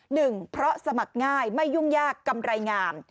หนึ่งเพราะสมัครง่ายไม่ยุ่งยากกำไรงาม